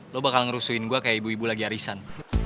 lo bakal ngerusuin gue kayak ibu ibu lagi arisan